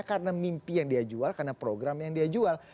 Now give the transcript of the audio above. karena mimpi yang dia jual karena program yang dia jual